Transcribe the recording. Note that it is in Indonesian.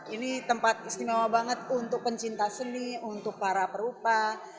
ini tempat istimewa banget untuk pencinta seni untuk para perupa